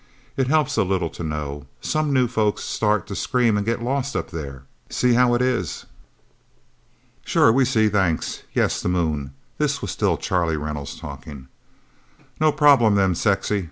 It helps a little to know. Some new folks start to scream and get lost, up there. See how it is?" "Sure we see thanks. Yes the Moon." This was still Charlie Reynolds talking. "No problem, then, Sexy.